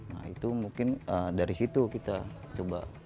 nah itu mungkin dari situ kita coba